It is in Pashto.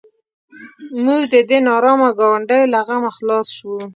موږ د دې نارامه ګاونډیو له غمه خلاص شوو.